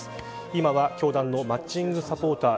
今は教団のマッチングサポーター